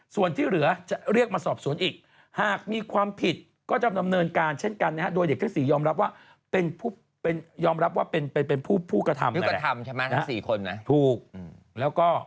ส่วนที่เหลือจะเรียกมาสอบศูนย์อีกหากมีความผิดก็จะดำเนินการเป็นผู้กะทำ